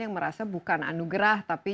yang merasa bukan anugerah tapi